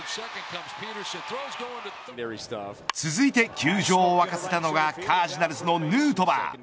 続いて球場を沸かせたのがカージナルスのヌートバー。